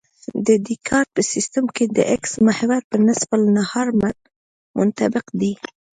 د دیکارت په سیستم کې د اکس محور په نصف النهار منطبق دی